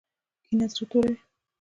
کینه زړه توروي